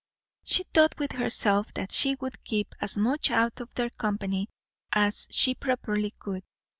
She thought with herself that she would keep as much out of their company as she properly could.